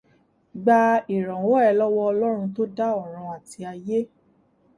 Gba ìràwọ̀ ẹ lọ́wọ́ ọlọ́run tó dá ọ̀run àti ayé